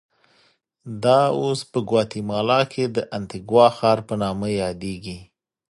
دا اوس په ګواتیمالا کې د انتیګوا ښار په نامه یادېږي.